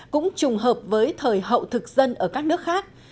cũng trùng hợp với thời hậu thực dân ở các nước khác